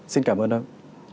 xin cảm ơn ông